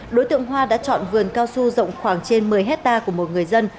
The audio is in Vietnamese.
đối tượng hoa đã chọn vườn cao su rộng khoảng trên một mươi hectare của một người dân